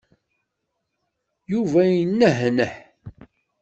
Yuba yenehneh.